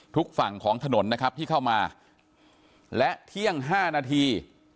ฝั่งของถนนนะครับที่เข้ามาและเที่ยง๕นาที